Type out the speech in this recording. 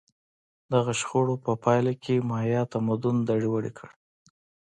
دغو شخړو په پایله کې مایا تمدن دړې وړې کړ